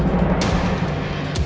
ga ada apa